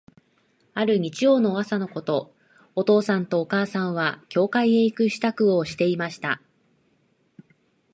ある日曜日の朝のこと、お父さんとお母さんは、教会へ行く支度をしていました。